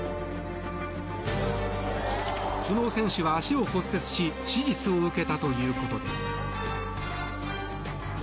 この選手は足を骨折し手術を受けたということです。